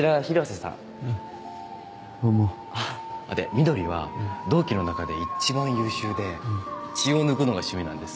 みどりは同期の中で一番優秀で血を抜くのが趣味なんです。